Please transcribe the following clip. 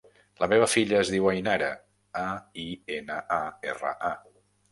La meva filla es diu Ainara: a, i, ena, a, erra, a.